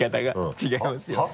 「違いますよ」はっ？